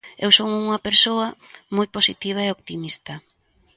Eu son unha persoa moi positiva e optimista.